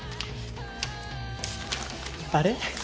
あれ？